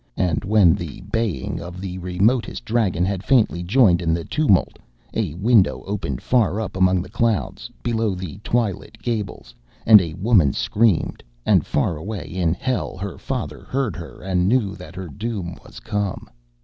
And when the baying of the remotest dragon had faintly joined in the tumult, a window opened far up among the clouds below the twilit gables, and a woman screamed, and far away in Hell her father heard her and knew that her doom was come.